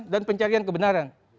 dan pencarian kebenaran